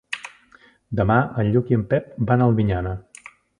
Demà en Lluc i en Pep van a Albinyana.